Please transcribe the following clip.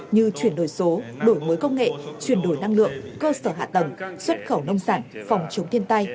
như chuyển đổi số đổi mới công nghệ chuyển đổi năng lượng cơ sở hạ tầng xuất khẩu nông sản phòng chống thiên tai